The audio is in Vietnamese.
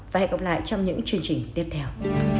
và hẹn gặp lại trong những chương trình tiếp theo